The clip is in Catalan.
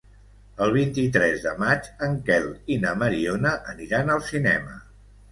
El vint-i-tres de maig en Quel i na Mariona aniran al cinema.